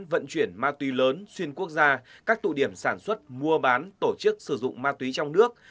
vận chuyển ma túy lớn xuyên quốc gia các tụ điểm sản xuất mua bán tổ chức sử dụng ma túy trong nước